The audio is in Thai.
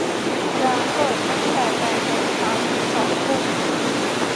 ร้านเปิดตั้งแต่แปดโมงเช้าถึงสองทุ่ม